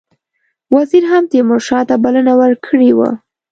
وزیر هم تیمورشاه ته بلنه ورکړې وه.